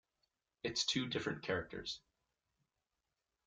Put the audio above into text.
It's two different characters.